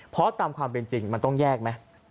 เพราะตามความเป็นจริงมันต้องแยกไหม